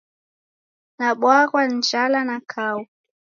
Nabwaghwa ni njala na kau